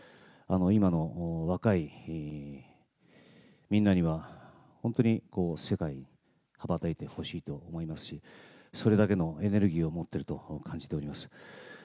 今の若いみんなには、本当に世界に羽ばたいてほしいと思いますし、それだけのエネルギーを持ってると感じております。